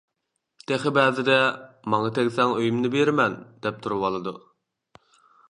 تېخى بەزىدە «ماڭا تەگسەڭ ئۆيۈمنى بېرىمەن» دەپ تۇرۇۋالىدۇ.